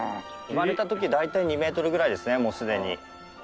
生まれた時大体２メートルぐらいですねもうすでに。